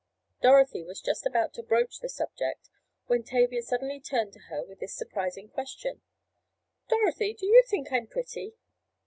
Dorothy was just about to broach the subject when Tavia suddenly turned to her with this surprising question: "Dorothy, do you think I'm pretty?"